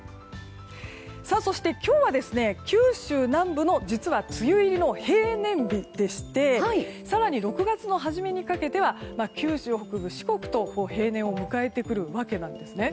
今日は九州南部の梅雨入りの平年日でして更に６月の初めにかけては九州北部、四国と平年を迎えてくるわけなんです。